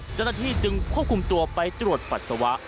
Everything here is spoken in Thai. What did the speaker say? เจ้าหน้าที่จึงควบคุมตัวไปตรวจปัสสาวะ